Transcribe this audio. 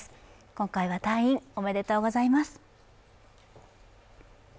今回は退院、おめでとうございます。